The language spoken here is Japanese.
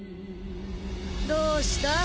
どうした？